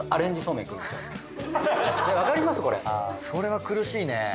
それは苦しいね。